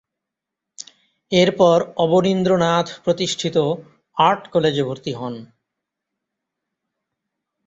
এরপর অবনীন্দ্রনাথ প্রতিষ্ঠিত আর্ট কলেজে ভর্তি হন।